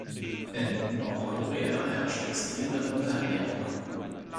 In Nordkorea herrscht extreme Unterernährung.